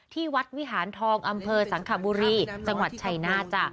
ที่วัดวิหารทองอำเภอสังขบุรีจังหวัดชัยนาธจ้ะ